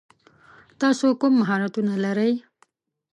تاسو کوم مهارتونه لری ؟